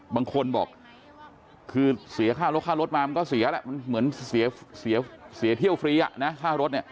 บางคนบอกคือเสียค่ารถค่ารถมาก็เสียแหละเหมือนเสียเที่ยวฟรีค่ารถ